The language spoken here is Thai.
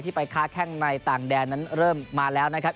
ไปค้าแข้งในต่างแดนนั้นเริ่มมาแล้วนะครับ